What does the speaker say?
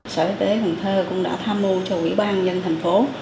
sở y tế cần thơ cũng đã tham mưu cho ủy ban nhân thành phố